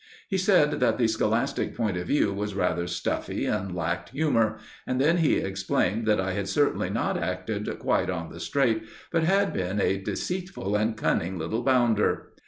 He said that the scholastic point of view was rather stuffy and lacked humour; and then he explained that I had certainly not acted quite on the straight, but had been a "deceitful and cunning little bounder."